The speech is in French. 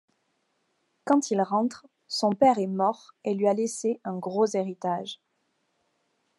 Quand il rentre, son père est mort et lui a laissé un gros héritage.